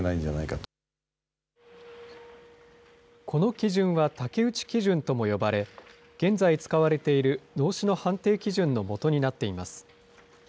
この基準は竹内基準とも呼ばれ、現在使われている脳死の判定基準のもとになっています。